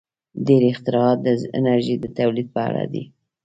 • ډېری اختراعات د انرژۍ د تولید په اړه دي.